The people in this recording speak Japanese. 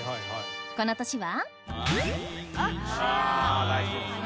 この年は？